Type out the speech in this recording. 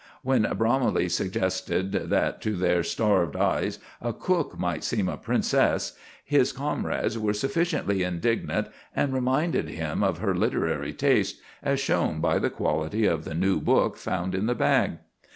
When Bromley suggested that to their starved eyes a cook might seem a princess, his comrades were sufficiently indignant, and reminded him of her literary taste, as shown by the quality of the new book found in the bag.